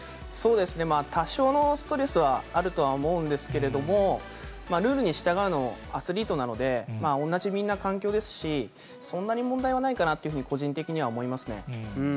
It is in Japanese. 多少のストレスはあるとは思うんですけれども、ルールに従うの、アスリートなので、同じみんな環境ですし、そんなに問題はないかなって、個人的には思いますね。